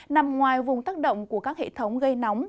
nằm ngoài vùng tác động của các hệ thống gây nóng